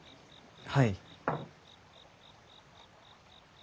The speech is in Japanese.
はい。